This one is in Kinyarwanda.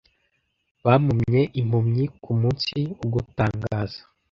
bampumye impumyi kumunsi ugutangaza